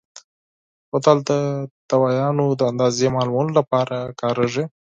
بوتل د دوایانو د اندازې معلومولو لپاره کارېږي.